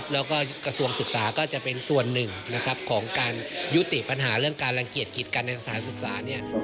แล้วกระทรวงศึกษาก็จะเป็นส่วนหนึ่งของการยุติปัญหาเรื่องการรางเกียรติกิจการอาศัยศึกษา